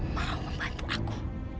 mau membantu aku